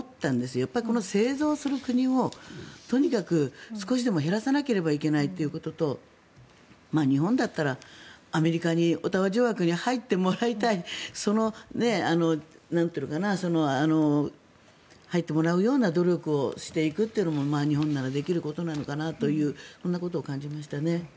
やっぱり製造する国をとにかく少しでも減らさなければいけないということと日本だったら、アメリカにオタワ条約に入ってもらいたい入ってもらうような努力をしていくというのも日本ならできることなのかなとこんなことを感じましたね。